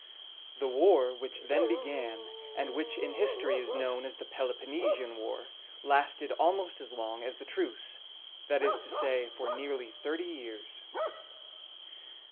The war which then began, and which in history is known as the Peloponnesian War, lasted almost as long as the truce; that is to say, for nearly thirty years.